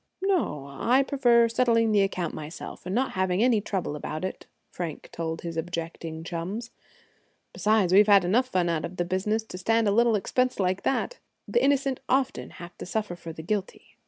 "No, I prefer settling the account myself, and not having any trouble about it," Frank told his objecting chums. "Besides, we've had enough fun out of the business to stand a little expense like that. The innocent often have to suffer for the guilty."